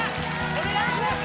お願いします